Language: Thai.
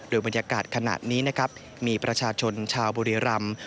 โดยบรรยากาศขนาดนี้นะครับมีประชาชนชาวบุรีรำ